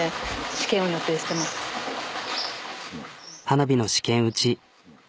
花火の試験打ち。